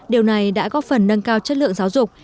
điều này đã góp phần nâng cao chất lượng giáo dục